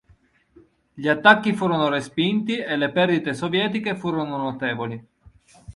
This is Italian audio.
Gli attacchi furono respinti e le perdite sovietiche furono notevoli.